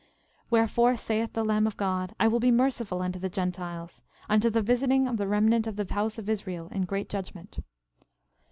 13:33 Wherefore saith the Lamb of God: I will be merciful unto the Gentiles, unto the visiting of the remnant of the house of Israel in great judgment.